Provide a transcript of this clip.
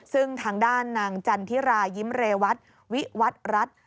ซึ่งทางด้านนางจันทิรายิ้มเรวัตวิวัตรรัฐ